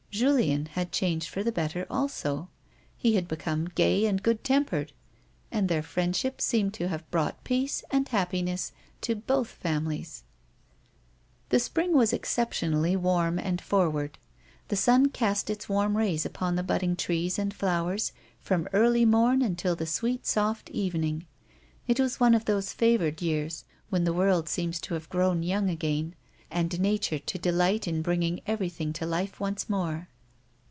Julien had changed for the better also ; he had become gay and good tempered, and their friendship seemed to have brought peace and happiness to both families The spring was exceptionally warm and forward. The sun cast his warm rays upon the budding trees and flowers from early morn until the sweet soft evening. It was one of thos^avoured years when the world seems to have grown young again, and nature to delight in bringing everything to life once more.